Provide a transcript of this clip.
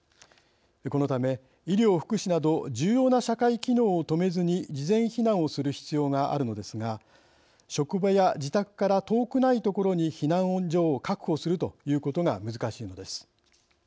このため医療・福祉など重要な社会機能を止めずに事前避難をする必要があるのですが職場や自宅から遠くない所に避難所を確保するということが難しいのです。